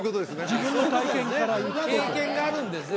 自分の体験から経験があるんですね